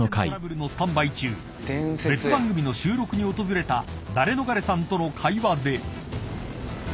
［別番組の収録に訪れたダレノガレさんとの会話で］